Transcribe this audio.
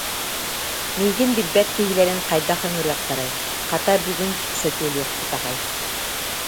Миигин билбэт киһилэрин хайдах ыҥырыахтарай, хата, бүгүн сөтүөлүөхпүт аҕай